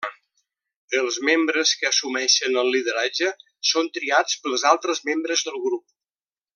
Els membres que assumeixen el lideratge són triats pels altres membres del grup.